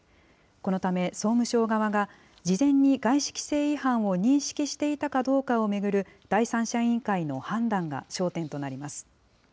このため、総務省側が、事前に外資規制違反を認識していたかどうかを巡る第三者委員会の判断が焦点となります。